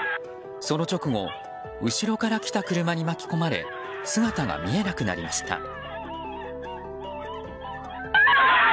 その直後、後ろから来た車に巻き込まれ姿が見えなくなりました。